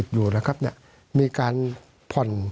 สวัสดีครับทุกคน